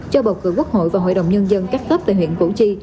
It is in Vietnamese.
cho bầu cử quốc hội và hội đồng nhân dân các cấp tại huyện củ chi